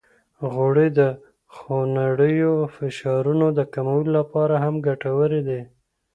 غوړې د خونړیو فشارونو د کمولو لپاره هم ګټورې دي.